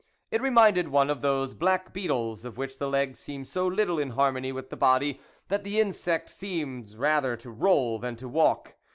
It reminded one of those black beetles of which the legs seem so little in harmony with the body, that the insects seem rather to roll than to walk.